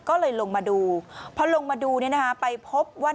ก็เลยลงมาดูพอลงมาดูไปพบว่า